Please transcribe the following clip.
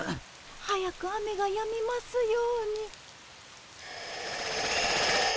早く雨がやみますように。